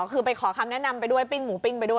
คือไปขอคำแนะนำไปด้วยปิ้งหมูปิ้งไปด้วย